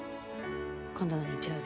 今度の日曜日。